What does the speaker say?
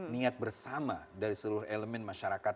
niat bersama dari seluruh elemen masyarakat